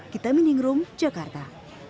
kita miningrum jakarta